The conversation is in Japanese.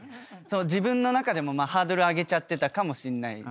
自分の中でもハードル上げちゃってたかもしんないです。